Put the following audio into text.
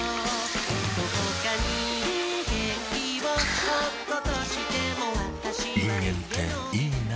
どこかに元気をおっことしてもあぁ人間っていいナ。